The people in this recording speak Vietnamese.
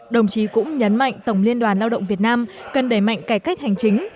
đồng chí cũng nhấn mạnh tổng liên đoàn lao động việt nam cần đẩy mạnh cải cách hành chính